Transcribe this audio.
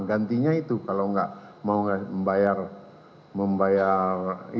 gantinya itu kalau nggak mau membayar